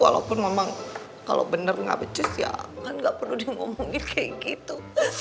walaupun mama kalau bener gak becus ya kan gak perlu dimomongin kayak gitu